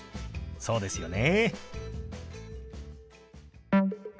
そうですよね。